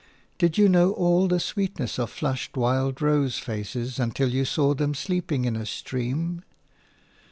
Did you know all the sweetness of flushed wild rose faces until you saw them sleeping in a stream?